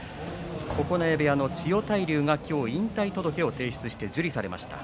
九重部屋の千代大龍が今日引退届を提出して受理されました。